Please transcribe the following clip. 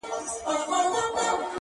له اوږده سفره ستړي را روان وه!.